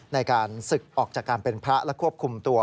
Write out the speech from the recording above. ในการศึกออกจากการเป็นพระและควบคุมตัว